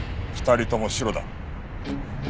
２人ともシロだ。